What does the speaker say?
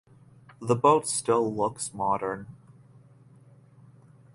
The boat still looks modern.